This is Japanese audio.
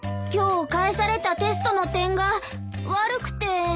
今日返されたテストの点が悪くて。